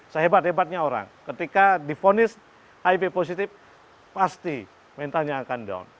sehebat hebatnya orang ketika difonis hiv positif pasti mentalnya akan down